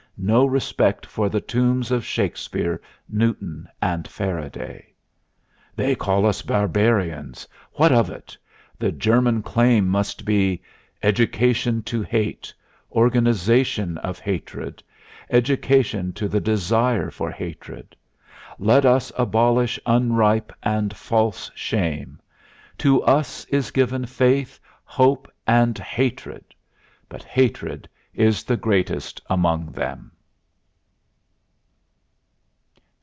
No respect for the tombs of Shakespeare, Newton and Faraday. "They call us barbarians. What of it? The German claim must be: ... Education to hate.... Organization of hatred.... Education to the desire for hatred. Let us abolish unripe and false shame.... To us is given faith, hope and hatred; but hatred is the greatest among them."